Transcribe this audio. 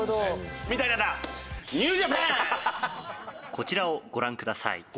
「こちらをご覧ください」